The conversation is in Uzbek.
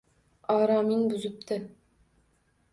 Oromin buzibdi.